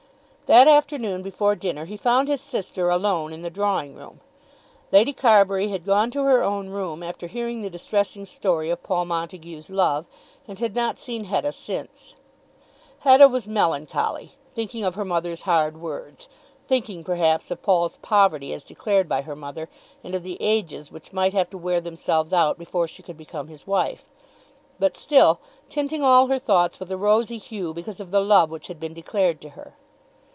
That afternoon before dinner he found his sister alone in the drawing room. Lady Carbury had gone to her own room after hearing the distressing story of Paul Montague's love, and had not seen Hetta since. Hetta was melancholy, thinking of her mother's hard words, thinking perhaps of Paul's poverty as declared by her mother, and of the ages which might have to wear themselves out before she could become his wife; but still tinting all her thoughts with a rosy hue because of the love which had been declared to her.